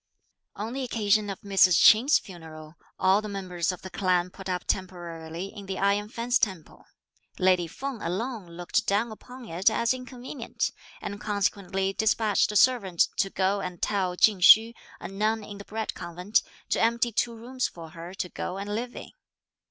On the occasion of Mrs. Ch'in's funeral, all the members of the clan put up temporarily in the Iron Fence Temple; lady Feng alone looked down upon it as inconvenient, and consequently despatched a servant to go and tell Ch'ing Hsü, a nun in the Bread Convent, to empty two rooms for her to go and live in.